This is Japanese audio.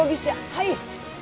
はい。